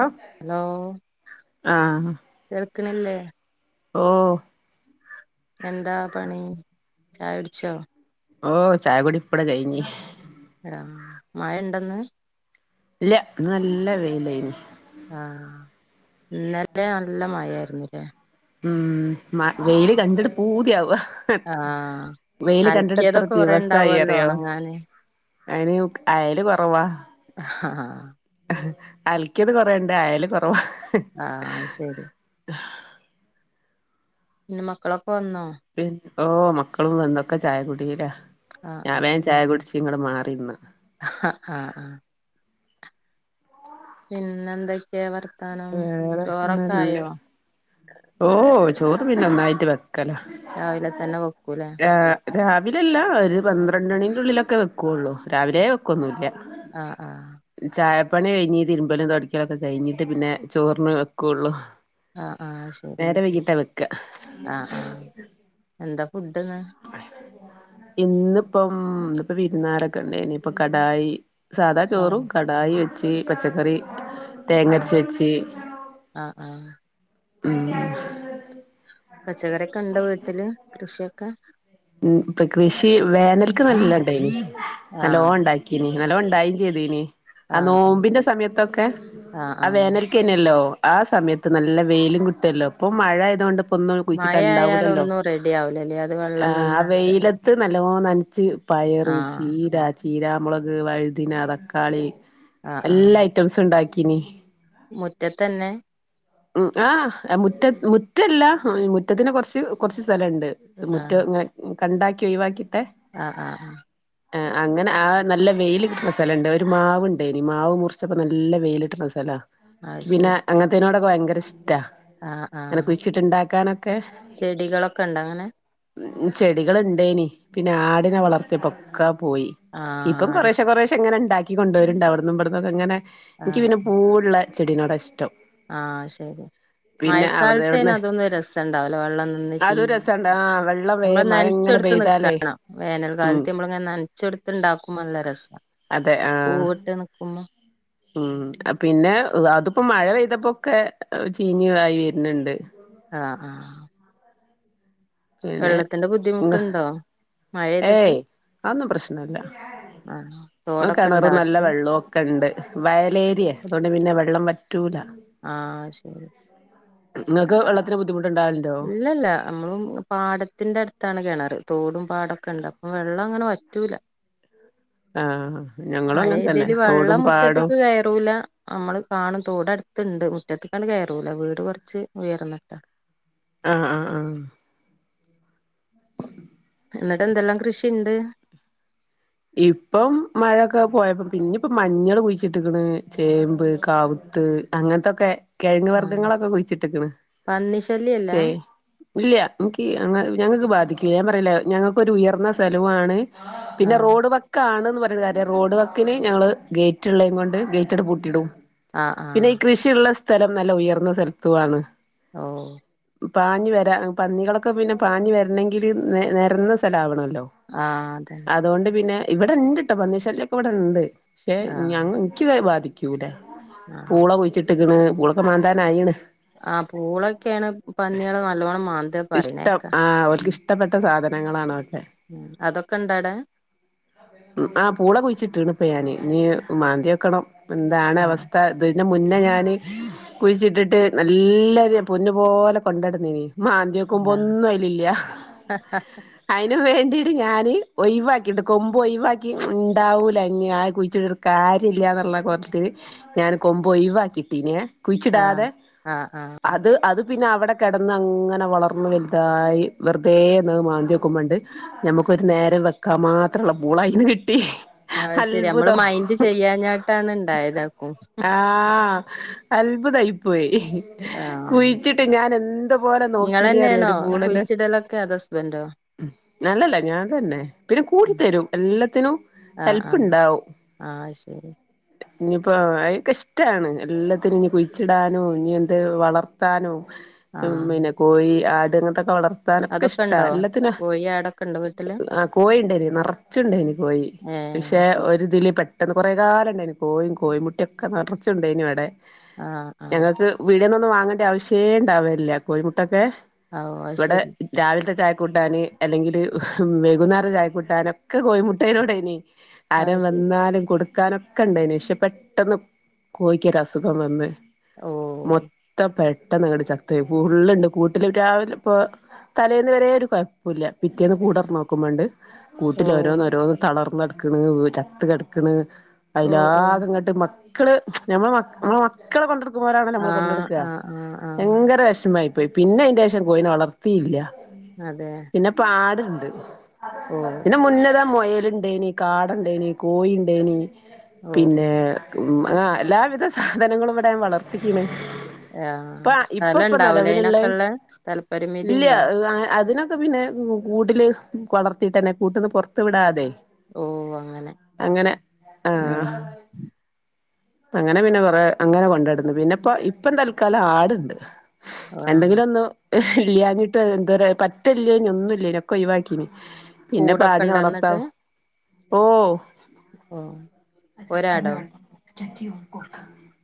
ആ ഹലോ കേൾക്കണില്ലേ ഓഹ് എന്താ പണി ചായുടിച്ചോ ഓഹ് ചായകുടി ഇപ്പട കഴിഞ്ഞ് ആഹ് മഴ ഉണ്ടന്ന് ഇല്ല ഇന്ന് നല്ല വെയിലായിന് ആഹ് ഇന്നല്ലെ നല്ല മഴാരുന്നുല്ലേ ഉം മ വെയില് കണ്ടിട്ട് പൂതിയാവ ഹാ ആ വെയില് കണ്ടിട്ട് എത്ര അലക്കിയതൊക്കെ കൊറേ ദിവസായി ഉണ്ടാവുമല്ലോ അറിയോ ഉണങ്ങാന് അയിന് ക് അയല് കൊറവാ ആഹ് ആ ആഹ് അൽക്കിത് കുറണ്ട് അയല് കുറവാ ആഹ് ശരി പിന്ന മക്കളൊക്കെ വന്നോ പിൻ ഓഹ് മക്കളും വന്നൊക്കെ ചായ കുടില്ല ആ ഞാൻ വേഗം ചായ കുടിച്ച് ഇങ്ങട്ട് മാറിന്ന് ആഹ് പിന്നെ എന്തൊക്കെയാ വർ വേറെ ഒന്നുല്ല ഓഹ് ചോറ് പിന്നെ ഒന്നായിട്ട് വക്കല രാവിലെ തന്നെ വെക്കൂല്ലെ ആഹ് രാവില അല്ല ഒരു പന്ത്രണ്ട് മണിറ്റുള്ളിലൊക്കെ വെക്കുള്ളൂ രാവിലെ വെക്കൊന്നു ഇല്ല ആഹ് ആഹ് ചായപ്പണി കഴിഞ്തിരുമ്പലും തൊടക്കലൊക്കെ കഴിഞ്ഞിട്ട് പിന്നെ ചോറിന് വെക്കുള്ളു ആഹ് ആഹ് ശരി അഹ് അഹ് എന്താ ഫുഡ് ഇന്ന് ഇന്നിപ്പം ഇന്നിപ്പോ വിരുന്നാരൊക്കെ ഒണ്ടേനി ഇനിയിപ്പ കടായി സാദാ ആ ചോറും കടായി വെച്ച് പച്ചക്കറി ആ തേങ്ങ അരച്ച് വെച്ച് ആ ആ ഉം പച്ചക്കറിയൊക്കെ ഒണ്ടോ വീട്ടില് കൃഷിയൊക്ക ഉം ഇപ്പൊ കൃഷി വേനൽക്ക് നല്ല ഉണ്ടായിനി ആഹ് നല്ലോണം ഉണ്ടായി ഇന്നല ഒണ്ടയിം ചെയ്തു ഇനി ആ ആഹ് നോമ്പിന്റെ സമയത്തൊക്കെ ആഹ് വേനൽ ക്ക്ന്നാലോ ആ സമയത്ത് നല്ല വെയിലും കിട്ടുവല്ലോ ഇപ്പൊ മഴ ആയതുകൊണ്ട് ഇപ്പൊന്നും അങ്ങ് മഴ ആയാൽ കുഴിച്ചിട്ടാണ്ടാവൂല്ലല്ലോ ഒന്നും റെഡി ആവലല്ലേ അത് വെള്ളം നിന്നാണ്ട് മറ്റേത് നല്ലോം നനച്ച് പയറ് ആഹ് ചീരാ ചീരാ മൊളക് വഴിതിന തക്കാളി ആഹ് എല്ലാ ആഹ് ഐറ്റംസ്ണ്ടാക്കീനി മുറ്റത്തന്നെ ഉം ആഹ് ഏഹ് മുറ്റ് മുറ്റല്ല മുറ്റത്തിന് കൊറച്ച് കൊറച്ച് സ്ഥലണ്ട് ആഹ് മുറ്റംങ്ങാൻ കണ്ടാക്കി ഒഴിവാക്കീട്ട് ആഹ് ആഹ് ആഹ് ആഹ് അങ്ങനെ ആഹ് നല്ല വെയില് കിട്ട്ന്ന സ്ഥലണ്ട് ഒരു മാവ്ണ്ടേനി മാവ് മുറി ച്ചപ്പം നല്ല വെയിലിട്ടണൊല് സ്ഥലാ അത് ക്ക് പിന്നെ ശരി അങ്ങനത്തേനോടൊക്കെ ഭയങ്കര്ഷ്ടാ ആഹ് ഇങ്ങനെ ആഹ് കുയ്ച്ചിട്ടുണ്ടാക്കാനൊക്കെ ചെടികളൊക്കെ ഇണ്ടോ അങ്ങനെ ഉം ഉം ചെടികള്ണ്ടേനി പിന്നെ ആടിനെ വളർത്തിയപ്പൊക്കെ പോയി ആഹ് ഇപ്പം അടു കൊറേശെ കൊറേശെ ഇങ്ങനെ ഇണ്ടാക്കി കൊണ്ട് വരുണ്ട് അവിട്ന്നും ഇവിടന്ന്ക്കെങ്ങനെ ഇനിക്ക് ആഹ് പിന്നെ പൂവുള്ളേ ചെടിനോടാ ഇഷ്ടം ആഹ് ശരി പിന്നെ അവിടുന്ന് മയക്കാലത്ത് പിന്നെ ഇവിടുന്ന് അതൊന്നും രസ്ണ്ടാവൂല വെള്ളം നിന്ന് അതൊരു ചീഞ്ഞ് രസണ്ട് ആ വെള്ളം വേ ഞമ്മള് മഴ ഇങ്ങനെ നനച്ചൊടുത്ത് പെയ്താലേ നിക്കണം വേനൽ ഉം കാലത്ത് ഞമ്മള്ങ്ങനെ നനച്ചൊടുത്ത് ഇണ്ടാക്കുംമ്പ നല്ല രസാ അതെ ആഹ് പൂവിട്ട് നിക്കുമ്പം ഉം ആഹ് പിന്നെ അതിപ്പോ മഴ പെയ്തപ്പോക്കെ ചീഞ്ഞ് ആയി വര്ന്ന്ണ്ട് ആഹ് ആഹ് പിന്നെ വെള്ളത്തിന്റെ ബുദ്ധിമുട്ടുണ്ടോ മഴെയ്തിട്ട് ഏയ് അതൊന്നും പ്രശ്നല്ല ആഹ് ആ തോടൊക്കെ ഇണ്ടോ കെണറ് നല്ല അടുത്ത് വെള്ളോം ക്കെണ്ട് വയലേരിയാ അതുകൊണ്ട് പിന്നെ വെള്ളം വറ്റൂല ആഹ് ശെരി ഇങ്ങക്ക് വെള്ളത്തിന് ബുദ്ധിമുട്ട്ണ്ടാവലി ഇല്ലല്ലാ നമ്മളും പാടത്തിന്റെ അട്ത്താണ് കെണറ് തോടും പാടൊക്കെണ്ട് അപ്പൊ വെള്ളം അങ്ങനെ വറ്റൂല ആഹ് ഞങ്ങളും മഴ അങ്ങനെ തന്നെ ഇതില് തോടും വെള്ളം പാടും മുറ്റത്ത്ക്ക് കേയറൂല നമ്മള് കാണും തോടട്ത്ത്ണ്ട് മുറ്റത്ത്ക്കാണ്ട് കേറൂല വീട് കൊറച്ച് ഉയർന്നിട്ടാ ആഹ് ആഹ് ആഹ് എന്നിട്ടെന്തെല്ലാം കൃഷിണ്ട് ഇപ്പം മഴയൊക്കെ പോയപ്പം പിന്നിപ്പം മഞ്ഞള് കുയിച്ചിട്ട്ക്ക്ണ് ചേമ്പ് കാവൂത്ത് അങ്ങൻത്തൊക്കെ കെഴങ്ങ് ആഹ് വർഗങ്ങളൊക്കെ കുയിച്ചിട്ടിക്ക്ണ് പന്നി ശല്യല്ല ചേ ഇല്ല്യാ ഇൻക്കീ അങ്ങ് ഞങ്ങക്ക് ബാധിക്കില്ല ഞാൻ പറഞ്ഞില്ലെ ഞങ്ങക്കൊരു ഉയർന്ന സ്ഥലവുവാണ് പിന്നെ ആഹ് റോഡ് വക്കാണ്ന്ന് പറഞ്ഞിട്ട് കാര്യല്ല റോഡ് വക്കിന് ഞങ്ങള് ഗേറ്റ് ഇള്ളേൻ കൊണ്ട് ഗേറ്റട് പൂട്ടിടും ആഹ് പിന്നീ ആഹ് കൃഷിള്ള സ്ഥലം നല്ല ഉയർന്ന സ്ഥലത്തുവാണ് ഓഹ് പാഞ്ഞ് വെരാ പന്നികളൊക്കെ പിന്നെ പാഞ്ഞ് വരണെങ്കില് നെരന്ന സ്ഥലാവണല്ലോ ആഹ് അതെ അത് കൊണ്ട് പിന്നെ ഇവിട്ണ്ട്ട്ടോ പന്നിശലൃക്കെ ഇവിട്ണ്ട് പക്ഷേ ആഹ് ഞങ്ങ ഇൻക്ക് ബാധി ക്ക്യൂല ആഹ് പൂള കുഴിച്ചിട്ട്ക്ക്ണ് പൂളൊക്കെ മാന്താനായീണ് ആഹ് പൂളൊക്കെയാണ് പന്നികള് നല്ലോണം മാന്ത് ഇഷ്ടം ആഹ് ഓൽക്ക് ഇഷ്ടപ്പെട്ട സാധനങ്ങളാണതൊക്കെ അതൊക്കെണ്ടടെ. ആഹ്, പൂള കുഴിച്ചിട്ട്ണ് പ്പ ഞാന് ഞി മാന്തിയേക്കെണം. എന്താണ് ആഹ് അവസ്ഥ, ഇതിൻ്റെമുന്നേ ഞാന്. കുഴിച്ചിട്ടിട്ട് നല്ലെരു പൊന്നു പോലെ കൊണ്ടട്ന്നീന്ന് മാ ന്ത്യേക്കുമ്പോ ആഹ് ഒന്നും അയിലില്ലൃ. അയിനും വേണ്ടീട്ട് ഞാന് ഒഴിവാക്കിയിട്ട് കൊമ്പ് ഒഴിവാക്കി ണ്ടാവൂല ഞി ഞാന് കുഴിച്ചി കാര്യല്ലൃന്ന്ള്ള കോൽത്ത് ല് ഞാൻ കൊമ്പ് ഒഴിവാക്കിട്ടീന്നെ ആഹ് കുഴിച്ചിടാതെ ആഹ് ആഹ് അത് അത് പിന്നെ അവിടെ കെടന്നങ്ങനെ വളർന്ന് ളർന്ന് വലുതായി വെറുതെ ന്ന് മാന്തി നോക്കുമ്പണ്ട്. നമ്മക്കൊരു നേരം വെക്കാൻ മാത്രള്ള, പൂള അയിന്ന് കിട്ടി. അയ് ശെരി നമ്മള് അത്ഭുതം മൈൻഡ് ചെയ്യാ ഞട്ടാണ് ണ്ടായത്. ആക്കും. ആഹ് അത്ഭുതായി പോയി. കുയിച്ചിട്ട് ഞാനെന്ത് പേലെ നോക്കി. ഇങ്ങളെന്നെണോ കുഴിച്ചിടലൊക്കെ. അതോ, ഹസ്ബൻഡോ. അല്ല ല്ലാ ഞാൻ തന്നെ. പിന്നെ കൂടിത്തെരും എല്ലത്തിനും. ആഹ്, ആഹ്, അയ് ശെരി. ഞിപ്പോ അയെക്കെഷ്ടാണ്. എല്ലത്തിനും ഇനി കുഴിച്ചിടാനും. ഞി എന്ത് വളർത്താനും. ഉം ആഹ് പിന്നെ, കോഴി, ആട്, ങ്ങെൻത്തെക്കെ വളർത്താനൊക്കെ അതൊക്കെ ഇഷ്ടാ ഇണ്ടോ? എല്ലത്തിനും. കോഴി ആടൊക്കെ ഇണ്ടോ വീട്ടില്? ആഹ്, കോഴിണ്ടെയ്ന് നറച്ച്ണ്ടെയ്ന് കോഴി. ഏഹ് പക്ഷെ അത് ശരി ഒരിതില് പെട് ട്ടെന്ന് കോറെകാലം ണ്ടായിന്ന് കോയിം, കേയിമുട്ടിയെക്കെ നറച്ച്ണ്ടായീന്ന് വടെ ആഹ് ആഹ് ഞങ്ങക്ക്. പീട്യെന്നൊന്നും വാങ്ങേണ്ടൃ ആവശ്യേ ണ്ടാവലില്ല്യ. കോഴിമുട്ടൊക്കെ ഓഹ് അത് വടെ. ശരി രാവിൽത്തെ ചായ കൂട്ടാന്. അല്ലെങ്കില് വൈകുന്നാര ചായ കൂട്ടാന്. ഒക്കെ കോഴിമുട്ടയിനേടൈനി. അത് ആരം ശരി വന്നാലും കൊടുക്കാനൊക്കെണ്ടായിന്. പഷെ, പെട്ടെന്ന് കോഴിക്കെരു അസുഖം വന്ന്. ഓഹ് മൊത്തം പെട്ടെന്ന്ങ്ങണ്ട് ചത്ത് പോയി, ഫുള്ള്ങ്ങണ്ട്. കൂട്ടില് രാവിലെപ്പൊ തലേന്ന് വരെ ഒരു കെഴപ്പുല്ല്യ പിറ്റേന്ന് കൂടെർനോക്കുമ്പണ്ട്. കൂട്ടില് ഓഹ് ഓരോന്ന്, ഓരോന്ന്, തളർന്നെട്ക്ക്ണ്. ചത്ത് കിടക്ക്ണ്. ഓഹ് ഓഹ് അയിലാകങ്ങട്ട് മക്കള് നമ്മളെ മക്ക നമ്മളമക് മക്കളെ കൊണ്ടടക്കുമ്പോലാണല്ലോ നമ്മൾ ആഹ് കൊണ്ടട്ക്കാ ആഹ് ആഹ് ആഹ് ഭയങ്കര വെഷ്മായി പോയി. പിന്നെ അയിന്റെഷം കോയിനെ വളർ ത്തീല്ല്യ അതെ പിന്നെപ്പ ആട്ണ്ട്. ഓഹ്. പിന്നെ മുന്നതാ മെയല്ണ്ടെയ്നി, കാടണ്ടെയ്നി, കോഴണ്ടെയ്നി, ഓഹ് ഓഹ് പിന്നെ ഉം ആ എല്ലാവിധ സാധനങ്ങളും. ഇവിടെ ഞാൻ, വളർത്തീക്ക്ണ്. യാഹ് സ്ഥലംണ്ടാവും. നിലവിലുള്ളെ ഇല്ല അതിന് ഒ ക്കെ പിന്നെ കൂട്ടില് കൊളർത്തിട്ടന്നെ കൂട്ടന്ന് പുറത്ത് വിടാതെ ഓ അങ്ങനെ അങ്ങനെ ആഹ് ഉം അങ്ങനെ പിന്നെ കൊറെ അങ്ങനെ കൊണ്ടുനടന്നു പിന്നെ ഇപ്പ ഇപ്പ തൽക്കാലം ആടുണ്ട് ആഹ് എന്തെങ്കിലുംഒന്ന് ല്ലാഞ്ഞിട്ട് എന്താ പറ്റല്ലേന ഒന്നുംല്ലേനൊക്ക ഒയിവാക്കിന് പിന്നെ ഇപ്പ കൂടൊക്കെ ആടിനെ ഇണ്ടോ വളർത്താം ഇന്നിട്ട് ഓഹ് ഓ ഒരാടോ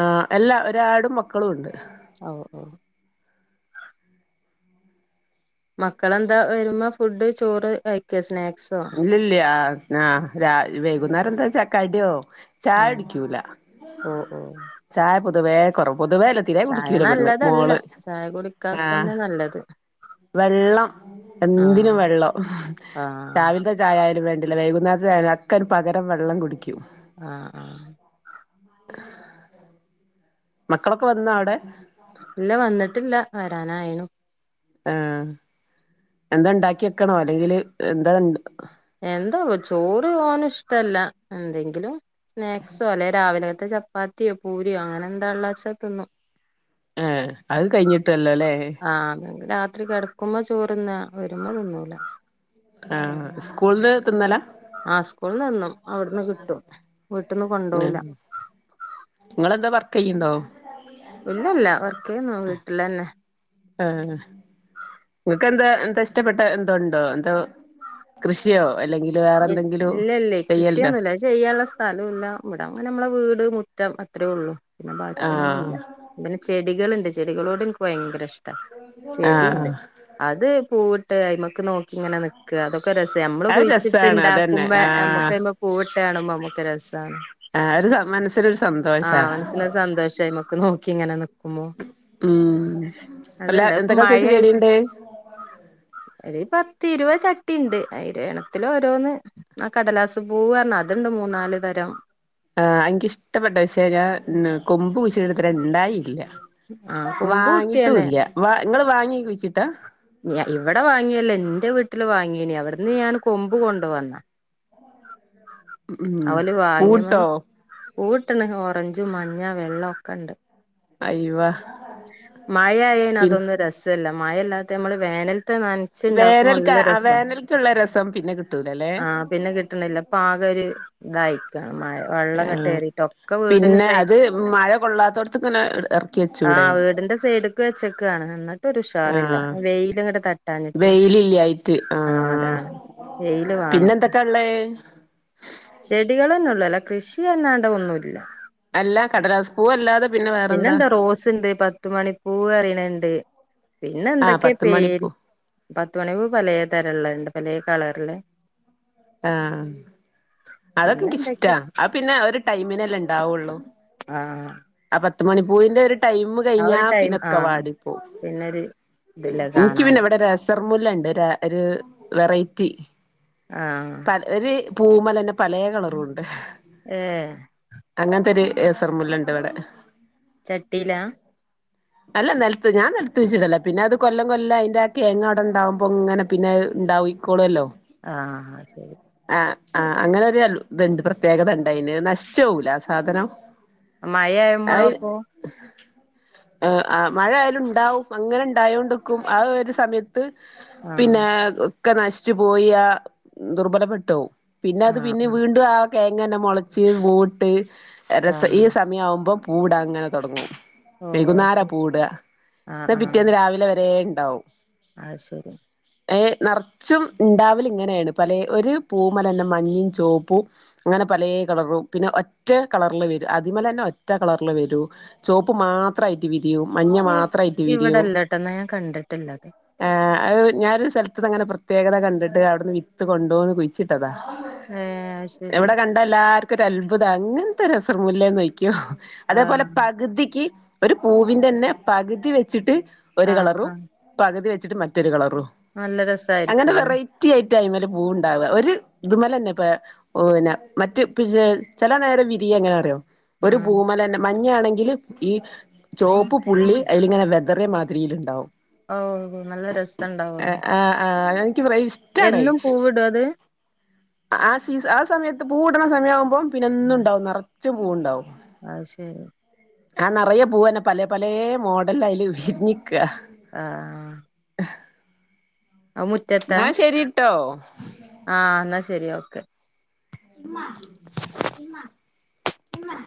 ആഹ് എല്ലാ ഒരു ആടും മക്കളും ഉണ്ട് ഓഹ് ഓഹ് മക്കളെന്താ വരുമ്പോ ഫുഡ് ചോറ് കഴിക്കോ സ്നാക് ഇല്ലല്ല ആ ആഹ് രാ വൈകുന്നേരം എന്താന്ന് വെച്ചാ കടിയോ ആഹ് ചായുടിക്കൂല ഓ ഓ ചായ പൊതുവേ കൊറവ് പൊതുവേല്ല തീരെ ചായ കുടിക്കൂല പെണ്ണ് നല്ലതല്ല മോള് ചായ ആഹ് കുടിക്കാക്കന്നെ നല്ലത് വെള്ളം എന്തിനും ആഹ് വെള്ളം ആഹ് രാവിൽ ത്ത ചായാലും വേണ്ടില്ല വൈകുന്നേര്ത്തെ ചായ അക്കൊരു പകരം വെള്ളം കുടിക്കും ആഹ് ആഹ് മക്കളൊക്കെ വന്നാ അവ്ടെ ഇല്ല വന്നിട്ടില്ല വെരാനായീനു ആഹ് എന്താ ഇണ്ടാക്കി വെക്കണോ അല്ലെങ്കില് എന്താണ്ട് എന്താപ്പ ചോറ് ഓന് ഇഷ്ടല്ല എന്തെങ്കിലും സ്നാക്സോ അല്ലെ രാവിലത്തെ ചപ്പാത്തിയോ പൂരിയോ അങ്ങനെന്താള്ളാച്ച തിന്നും ഏഹ് അത് കഴിഞ്ഞിട്ടില്ലല്ലേ ആഹ് അങ്ങങ്ങ് രാത്രി കെടക്കുമ്പോ ചോറിന്നാ വെരുമ്പോ തിന്നൂല ആഹ് സ്കൂൾന്ന് തിന്നലാ ആഹ് സ്കൂൾന്ന് തിന്നും അവിടുന്ന് കിട്ടും വീട്ടിന്ന് കൊണ്ടു പോവൂല്ല ഇങ്ങളെന്താ വർക്കെയ്യുണ്ടോ ഇല്ലില്ല വർക്കെയ്യുന്നു വീട്ടിലന്നെ ആഹ് നിങ്ങക്കെന്താ എന്താ ഇഷ്ടപ്പെട്ട എന്തോണ്ടോ എന്തോ കൃഷിയോ അല്ലെങ്കി ഇല്ലില്ലേ കൃഷിയൊന്നുല്ല ചെയ്യാള്ള സ്ഥല ഇല്ല ഇവിട അങ്ങനെ നമ്മളെ വീട് മുറ്റം അത്രേ ഒള്ളൂ പിന്നെ ബാക്കിയൊന്നുല്ല ആഹ് പിന്നെ ചെടികള്ണ്ട് ചെടികളോട് എനിക്ക് ഭയങ്കര ഇഷ്ടാ ചെടീണ്ട് ആഹ് അത് പൂവിട്ട് അയിമ്മക്ക് നോക്കി ഇങ്ങനെ നിക്കാ അതൊക്കെ രസാ നമ്മള് അത് കുഴിച്ചി രസാണ് അതന്നെ ഇണ്ടാക്കുംമ്പ നമ്മുക്ക് ആഹ് അയിമേൽ പൂവിട്ട് കാണുമ്പോ നമ്മുക്ക് രസാണ് ആഹ് ഒരു സമാ മനസ്സ് നൊരു സന്തോ ആഹ് മനസ്സിലായി അത് സന്തോഷയ്ക്ക് നോക്കി ഇങ്ങനെ നിക്കുമ്പോ ഉം അല്ല അതിണ്ട് ഇപ്പൊ എന്തൊക്കെ സൈസ് മഴയായിട്ട് ചെടിയുണ്ട് ഒരു പത്തിരുപത് ചട്ടീണ്ട് അയില് ഒരെണ്ണത്തില് ഓരോന്ന് ആഹ് കടലാസ് പൂവർന്ന അതിണ്ട് മൂന്നാല് തരം ആഹ് എനിക്കിഷ്ടപ്പെട്ട പക്ഷേ ഞാൻ കൊമ്പ് കുരിച്ചിട്ട് ഇപ്പൊരണ്ടായില്ല ആ കൊമ്പ് കുത്തിയന്നെ വാങ്ങീട്ടുല്ല വ നിങ്ങള് വാങ്ങി കുഴിച്ചിട്ടാ ഇവിടെ വാങ്ങിയല്ലോ എന്റെ വീട്ടില് വാങ്ങീനി അവിടുന്ന് ഞാൻ കൊമ്പ് കൊണ്ടുവന്നാ ഉം അവല് പൂട്ടോ വാങ്ങിയന്ന് പൂവിട്ടണ് ഓറഞ്ചും മഞ്ഞാ വെള്ള ഒക്കെണ്ട് ഐവാ മഴയായേന് അതൊന്നും രസില്ല മഴയില്ലാത്ത നമ്മള് വേനൽ ത്ത നനച്ചുണ്ടാക്കുമ്പോ വേനൽക്ക നല്ല ആഹ് രസാ വേനൽക്കുള്ള രസം പിന്നെ കിട്ടൂലല്ലേ ആഹ് പിന്നെ കിട്ടണില്ല ഇപ്പ ആകൊരു ഇതായിരിക്കാണ് മഴ വെള്ളം ഇങ്ങട്ട് ആഹ് കേറിട്ടൊക്കെ വീടിന് പിന്നെ സൈ അത് മഴ കൊള്ളാത്തോട്ത്തിങ്ങനെ എർ ആഹ് വീടിന്റെ സൈഡ്ക്ക് വെച്ചേക്കുവാണ് എന്നിട്ടൊരു ഉഷാറില്ല ആഹ് വെയിലിങ്ങട് തട്ട് വെയിലില്ലായിട്ട് ആഹ് അതാണ് വെയില് പിന്നെ എന്തൊക്കാള്ളെ ചെടികളന്നെ ഒള്ളൂ അല്ല കൃഷി അല്ലാണ്ടൊന്നുല്ല അല്ല കടലാസ് പൂവല്ലാതെ പിന്നെ വേ പിന്നെന്താ റോസിണ്ട് പത്ത് മണിപ്പൂ പറയണണ്ട് പിന്നെ ആഹ് എന്തൊക്കെയാ പത്ത് പേര് മണിപ്പൂ പത്ത്മണിപൂ പലേ തരം ഉള്ളഉണ്ട് പലേ കളറിലെ ആഹ് ആഹ് അതൊക്കെ പിന്നെ എന്തൊക്കെ എനിക്കിഷ്ടാ ആ പിന്നെ ആ ഒരു ടൈമിനെല്ലേ ഉണ്ടാവുള്ളൂ ആഹ് ആ പത്ത് മണിപൂവിന്റെ ഒരു ടൈമ് ആ കഴിഞ്ഞ ഒരു ടൈം പിന്നൊക്കെ ആഹ് വാടി പോകും പിന്നൊരു ഇതില്ലേ എനിക്ക് പിന്നെ കാണാന് ഇവിടെ രസ ചെറുമുല്ല ഉണ്ട് ഒരു ഒരു വെറൈറ്റി ആഹ് പല ഒരു പൂമലന്റെ പലേ കളറുണ്ട് ഏഹ് അങ്ങനത്തെൊരു അസർമുല്ല ഇണ്ട് ഇവിടെ ചട്ടീലാ അല്ല നിലത്ത് ഞാൻ നിലുത്ത് വച്ചിട്ടല്ലേ പിന്നെ അത് കൊല്ലം കൊല്ലം അതിന്റെ കേങ് അവിട ഉണ്ടാവകുമ്പൊ ഇങ്ങനെ പിന്നെ ഉണ്ടാവയി -കോളേല്ലോ ആഹ് ആത് ശരി ആ ആ അങ്ങന ഒരു അൽ ഇത്ണ്ട് പ്രത്യേകത ഉണ്ട് അയിന് നശിച്ചുപൂവൂല ആ സാധനം മഴയാവുമ്പോളപ്പോ ഏഹ് ആഹ് മഴയായാലും ഉണ്ടാവും അങ്ങനെ ഉണ്ടായോണ്ടിക്കും ആ ഒരു സമയ -ത്ത് ആഹ് പിന്നെ ഒക്കെ നശിച്ചു പോയി ആഹ് ദുർബലപ്പെട്ടോവും പിന്നെ അത് ആഹ് പിന്നെ ആഹ് വീണ്ടും ആ കിഴങ്ങന്ന മുളച്ച് പൂവിട്ട് രസ ഈ ആഹ് സമയം ആവുമ്പം പൂവിടാൻ അങ്ങനെ തുടങ്ങും ഓഹ് വൈകുന്നരാ ശരി പൂടുക ആഹ് എന്നാ ആഹ് പിറ്റേന്ന് രാവിലെ വരെ ഉണ്ടാവും അത് ശരി ഏ നിറച്ചും ഉണ്ടാവല ഇങ്ങനെയാണ് പലെ ഒരു പൂമേൽ തന്നെ മഞ്ഞയും ചുവപ്പും അങ്ങനെ പലേ കളറും പിന്നെ ഒറ്റ കളറിൽ വരും അതിമലതന്നെ ഒറ്റ കളറില് വരൂ ചുവപ്പ് മാത്രായിട്ട് വിരിയൂ മഞ്ഞ മാത്രയായിട്ട് വിരിയൂ ഇവിടെല്ലട്ടോന്നാ ഞാൻ കണ്ടിട്ടില്ലത് ആ ഏഹ് ഞാനൊരു സ്ഥലത്തത് അങ്ങനെ പ്രത്യേകത കണ്ടിട്ട് അവിടുന്ന് വിത്ത് കൊണ്ടുവന്ന് കുഴിച്ചിട്ടതാ ഏഹ് അത് ശരി ഇവിടെ കണ്ട എല്ലാർക്കും ഒരു അത്ഭുതാ ഇങ്ങനത്തെ ഒരു രസമൂല്ലേന്ന് ചോദിക്കും അതേപോലെ ആഹ് പകുതിക്ക് ഒരു പൂവിന്റെ തന്നെ പകുതി വെച്ചിട്ട് ഒരു ആഹ് കളറും ആഹ് പകുതി വെച്ചിട്ട് മറ്റൊരു കളറും നല്ല അങ്ങനെ രസായിരിക്കൂലേ വെറൈറ്റി ആയിട്ട് ആയി്മേല പൂവ് ഉണ്ടാവുക ഒരു ഇത്മല തന്നെ ഇപ്പ ഓ പിന്നെ മറ്റ് പിശ ചില നേരം വിരിയ എങ്ങനെ അറിയോ ഒരു ആഹ് പൂമേലെന്നെ മഞ്ഞ ആണെങ്കിൽ ഈ ചുവപ്പ് പുള്ളി അതിലിങ്ങനെ വെതറിയ മാതിരി ഉണ്ടാവും ഓ നല്ല എ രസണ്ടാവല്ലോ ആഹ് ആഹ് എനിക്ക് ഫ്രൈ ഇഷ് എന്നും പൂവിടൊ അത് ആ സീ ആ സമയത്ത് പൂവ് ഇടണ സമയാകുമ്പോ പിന്നെ എന്നും ആഹ് ഉണ്ടാവും നിറച്ച് പൂവുണ്ടാവും അത് ശരി ആ നിറയ പൂവന്നെ പല പലേ മോഡൽ അയില് വിരിഞ്ഞിക്കുക ആഹ് അത് മുറ്റത്താ എന്നാ ശെരിട്ടോ ആഹ് എന്നാ ശരി ഓക്കെ ഇമ്മ ഇമ്മ ഇമ്മ